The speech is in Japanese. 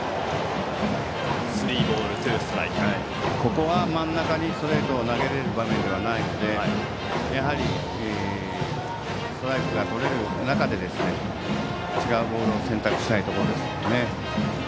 ここは真ん中にストレートを投げられる場面ではないのでやはりストライクがとれる中で違うボールを選択したいですね。